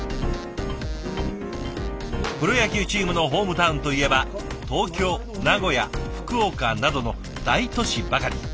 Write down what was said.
プロ野球チームのホームタウンといえば東京名古屋福岡などの大都市ばかり。